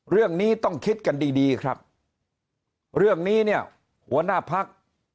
เรื่องนี้ต้องคิดกันดีดีครับเรื่องนี้เนี่ยหัวหน้าพัก